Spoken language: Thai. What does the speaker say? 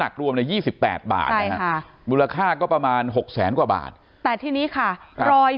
หนักรวมใน๒๘บาทมูลค่าก็ประมาณ๖๐๐บาทแต่ที่นี้ค่ะรอย